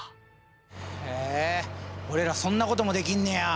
へえ俺らそんなこともできんねや！